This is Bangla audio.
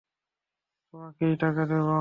তোমাকে টাকা দেব।